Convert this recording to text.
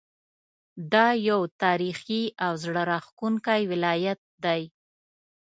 دا یو تاریخي او زړه راښکونکی ولایت دی.